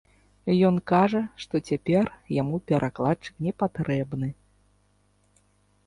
Ён кажа, што цяпер яму перакладчык не патрэбны.